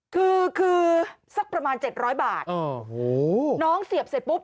คือคือสักประมาณเจ็ดร้อยบาทโอ้โหน้องเสียบเสร็จปุ๊บ